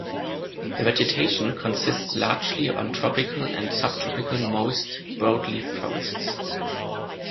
The vegetation consists largely of tropical and subtropical moist broadleaf forests.